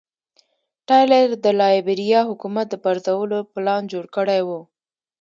ټایلر د لایبیریا حکومت د پرځولو پلان جوړ کړی و.